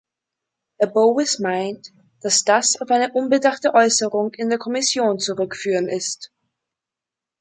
Herr Bowis meint, dass das auf eine unbedachte Äußerung in der Kommission zurückführen ist.